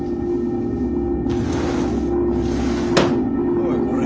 おいこら。